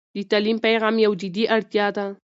د تعلیم پیغام یو جدي اړتيا ده.